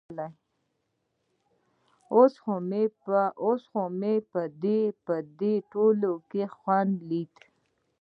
خو اوس مې په دې ټولو کښې خوند ليده.